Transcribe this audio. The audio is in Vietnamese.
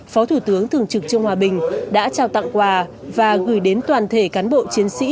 phó thủ tướng thường trực trương hòa bình đã trao tặng quà và gửi đến toàn thể cán bộ chiến sĩ